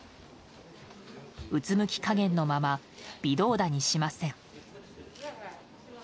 うつむき加減のまま微動だにしません。